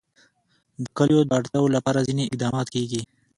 د کلیو د اړتیاوو لپاره ځینې اقدامات کېږي.